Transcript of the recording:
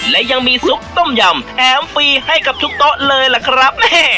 และยังมีซุปต้มยำแถมฟรีให้กับทุกโต๊ะเลยล่ะครับ